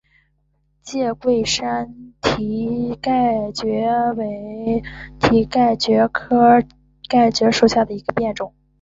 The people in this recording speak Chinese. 介贵山蹄盖蕨为蹄盖蕨科蹄盖蕨属下的一个变种。